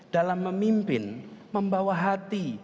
dalam memimpin membawa hati